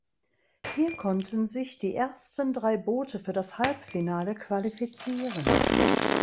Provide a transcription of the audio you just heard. Hier konnten sich die ersten drei Boote für das Halbfinale qualifizieren.